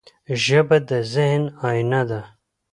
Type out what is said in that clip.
ژبه د ذهن آیینه ده.